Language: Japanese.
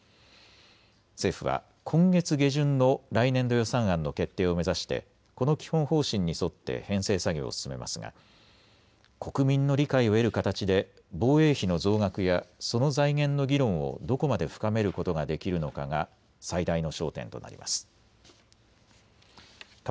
政府は今月下旬の来年度予算案の決定を目指してこの基本方針に沿って編成作業を進めますが国民の理解を得る形で防衛費の増額やその財源の議論をどこまで深めることができるのかが最大の焦点となります。